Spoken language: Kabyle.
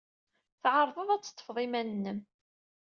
Tɛerḍed ad teḍḍfed iman-nnem.